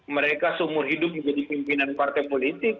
mereka seumur hidup menjadi pimpinan partai politik